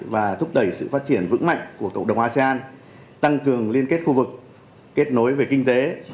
và thúc đẩy sự phát triển vững mạnh của cộng đồng asean tăng cường liên kết khu vực kết nối về kinh tế